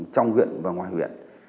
trong huyện và ngoài huyện